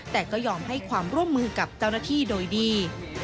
แต่ก็ยอมให้ความร่วมมือกับเจ้าหน้าที่โดยดี